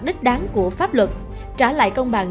đích đáng của pháp luật trả lại công bằng